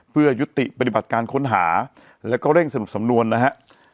เพื่อยุติปฏิบัติการค้นหาแล้วก็เร่งสรุปสำนวนนะฮะ